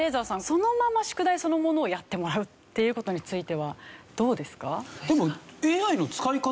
そのまま宿題そのものをやってもらうっていう事についてはどうですか？